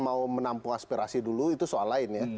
mau menampung aspirasi dulu itu soal lain ya